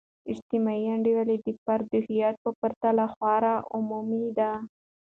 اجتماعي انډول د فرد د هویت په پرتله خورا عمومی دی.